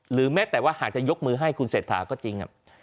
หรือแม้แต่ว่าหากจะยกมือให้คุณเสร็จถามก็จริง